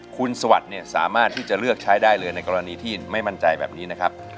คุณสวัสดิ์เนี่ยสามารถที่จะเลือกใช้ได้เลยในกรณีที่ไม่มั่นใจแบบนี้นะครับ